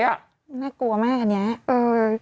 น่ากลัวมากอันนี้